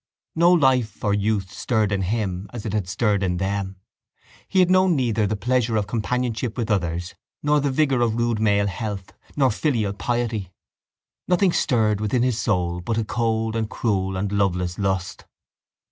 No life or youth stirred in him as it had stirred in them. He had known neither the pleasure of companionship with others nor the vigour of rude male health nor filial piety. Nothing stirred within his soul but a cold and cruel and loveless lust.